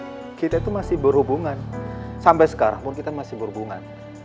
karena kita itu masih berhubungan sampai sekarang pun kita masih berhubungan